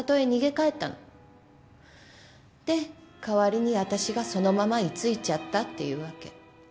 で代わりに私がそのまま居着いちゃったっていうわけ。